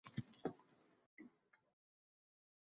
Har bir jumlani o‘z o‘rnida ishlatishga urinardik.